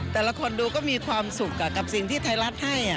แต่ละคนดูก็มีความสุขกับสิ่งที่ไทยรัฐให้